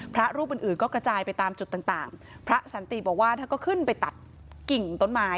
พระรูปอื่นอื่นก็กระจายไปตามจุดต่างต่างพระสันติบอกว่าท่านก็ขึ้นไปตัดกิ่งต้นไม้